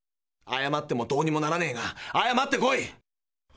あやまってもどうにもならねえがあやまってこい！